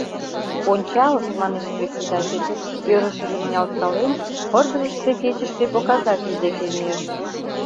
— Ончал, — манеш председатель, ӧрышыжым ниялткален, пырдыжыште кечыше показатель деке мийыш.